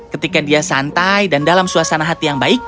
ketika dia santai dan dalam suasana hati yang baik